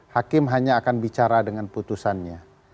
hakim hanya akan bicara dengan putusannya